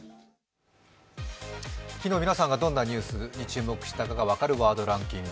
昨日、皆さんがどんなニュースに注目したかが分かるワードランキング。